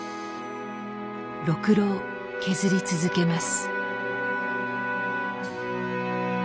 ろくろを削り続けます